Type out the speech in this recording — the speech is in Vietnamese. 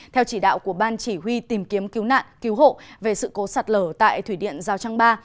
theo chỉ đạo của ban chỉ huy tìm kiếm cứu nạn cứu hộ về sự cố sạt lở tại thủy điện giao trang ba